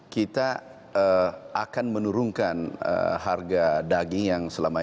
kita akan menurunkan harga daging yang selama ini